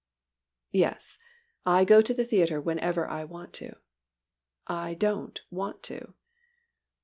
"Yes, I go to the theatre whenever I want to. I don't want to."